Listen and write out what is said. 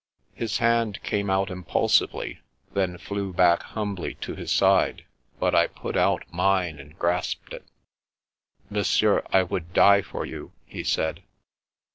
His hand came out impulsively, then flew back humbly to his side, but I put out mine and grasped it. Monsieur, I would die for you," he said.